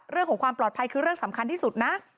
เรื่องของความปลอดภัยคือเรื่องสำคัญที่สุดนะ